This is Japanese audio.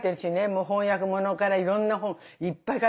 もう翻訳ものからいろんな本いっぱい書いてるでしょ。